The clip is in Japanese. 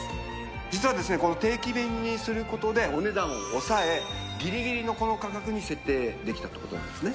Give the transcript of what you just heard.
この定期便にする事でお値段を抑えギリギリのこの価格に設定できたって事なんですね。